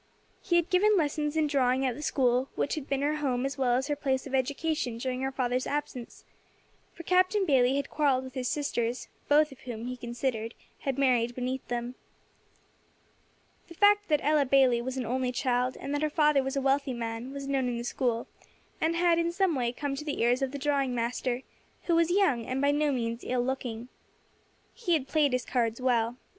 He had given lessons in drawing at the school which had been her home as well as her place of education during her father's absence, for Captain Bayley had quarrelled with his sisters, both of whom, he considered, had married beneath them. The fact that Ella Bayley was an only child, and that her father was a wealthy man, was known in the school, and had, in some way, come to the ears of the drawing master, who was young, and by no means ill looking. He had played his cards well.